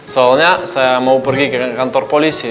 soalnya saya mau pergi ke kantor polisi